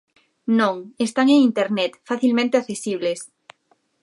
Non, están en Internet, facilmente accesibles.